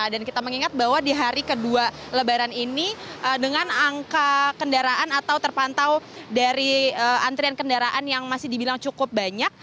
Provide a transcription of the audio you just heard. dan kita mengingat bahwa di hari kedua lebaran ini dengan angka kendaraan atau terpantau dari antrian kendaraan yang masih dibilang cukup banyak